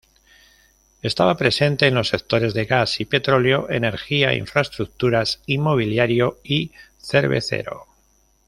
Estaba presente en los sectores de gas y petróleo, energía, infraestructuras, inmobiliario y cervecero.